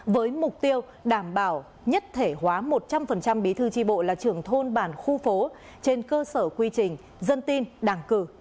với mục tiêu đảm bảo nhất thể hóa một trăm linh bí thư tri bộ là trưởng thôn bản khu phố trên cơ sở quy trình dân tin đảng cử